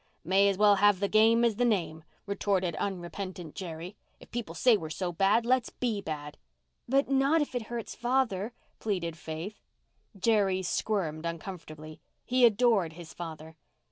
"May as well have the game as the name," retorted unrepentant Jerry. "If people say we're so bad let's be bad." "But not if it hurts father," pleaded Faith. Jerry squirmed uncomfortably. He adored his father.